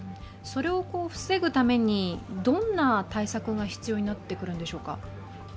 それを防ぐためにどんな対策が必要になってくるんでしょうか？